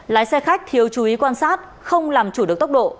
lái xe khách thiếu chú ý quan sát không làm chủ được tốc độ